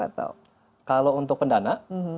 atau kalau untuk pendana